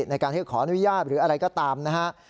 ในการที่ขออนุญาตหรืออะไรก็ตามนะฮะ